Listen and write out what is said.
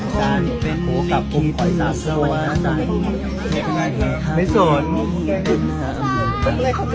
การเป็นภูมิคิตสวรรค์ในห้างมีเป็นหน้าเหมือนกัน